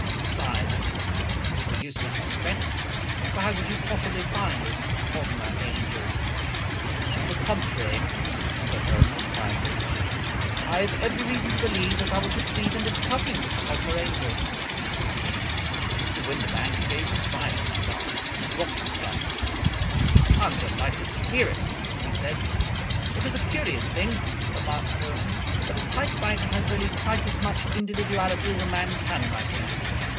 Besides, it is a useless expense, for how could you possibly find this Hosmer Angel ?"" On the contrary," said Holmes, quietly, " I have every reason to believe that I will succeed in discovering Mr. Hosmer Angel." 56 A. Conan Doyle Mr. Windibank gave a violent start, and dropped his gloves. " I am delighted to hear it," he said. " It is a curious thing," remarked Holmes, " that a type writer has really quite as much individuality as a man's handwriting.